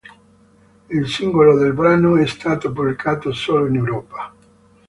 Il singolo del brano è stato pubblicato solo in Europa.